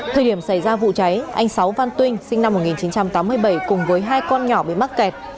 thời điểm xảy ra vụ cháy anh sáu văn tuyên sinh năm một nghìn chín trăm tám mươi bảy cùng với hai con nhỏ bị mắc kẹt